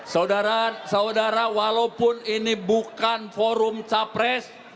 saudara saudara walaupun ini bukan forum capres